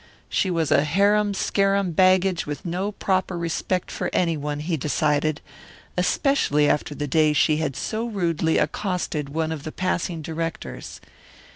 She was a harum scarum baggage with no proper respect for any one, he decided, especially after the day she had so rudely accosted one of the passing directors.